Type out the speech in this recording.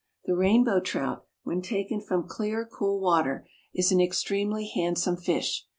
The Rainbow Trout, when taken from clear, cool water, is an extremely handsome fish.